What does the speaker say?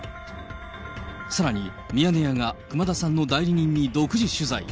さらに、ミヤネ屋が熊田さんの代理人に独自取材。